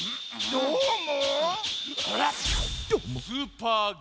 どーも。